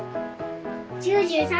９３！